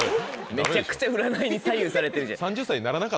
めちゃくちゃ占いに左右されてる。